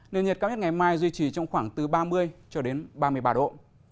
nên nhiệt cao nhất ngày mai duy trì trong khoảng từ ba mươi ba mươi ba độ